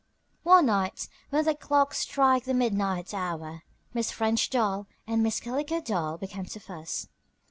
One night when the clock struck the midnight hour Miss French Doll and Miss Calico Doll began to fuss.